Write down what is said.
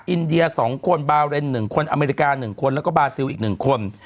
อินเดีย๒คนบาเรน๑คนอเมริกา๑คนแล้วก็บาซิลอีก๑คน